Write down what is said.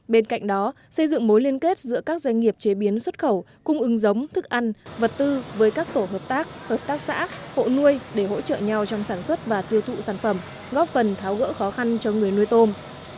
bên cạnh đó xây dựng mối liên kết giữa các doanh nghiệp chế biến xuất khẩu cung ứng giống thức ăn vật tư với các tổ hợp tác hợp tác xã hộ nuôi để hỗ trợ nhau trong sản xuất và tiêu thụ sản phẩm góp phần tháo gỡ khó khăn cho người nuôi tôm